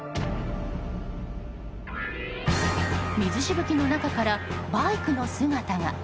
水しぶきの中からバイクの姿が。